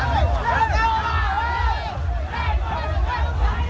มันอาจจะไม่เอาเห็น